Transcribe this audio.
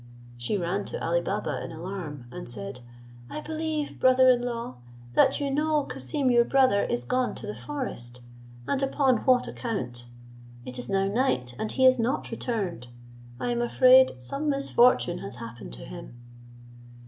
She ran to Ali Baba in alarm, and said, "I believe, brother in law, that you know Cassim, your brother, is gone to the forest, and upon what account; it is now night, and he is not returned; I am afraid some misfortune has happened to him."